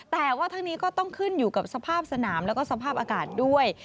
แต่ว่าทั้งนี้ก็ต้องขึ้นอยู่กับสภาพสนามแล้วก็สภาพอากาศด้วย